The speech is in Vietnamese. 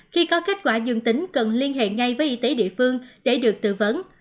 khi có kết quả dương tính cần liên hệ ngay với y tế địa phương để được tư vấn